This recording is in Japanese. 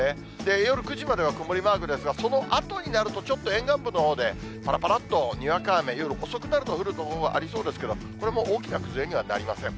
夜９時までは曇りマークですが、そのあとになると、ちょっと沿岸部のほうで、ぱらぱらっとにわか雨、夜遅くなると降る所ありそうですけれども、これも大きな崩れにはなりません。